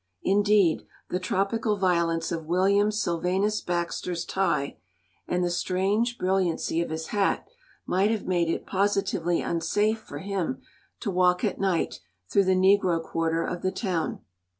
Indeed, the tropical violence of William Sylvanus Baxter's tie and the strange brilliancy of his hat might have made it positively unsafe for him to walk at night through the negro quarter of the town.